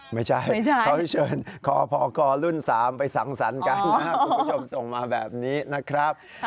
ไม่ใช่เขาเชิญคพกรุ่น๓ไปสังสรรค์กันนะครับคุณผู้ชมส่งมาแบบนี้นะครับ